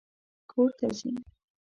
کور ته ځي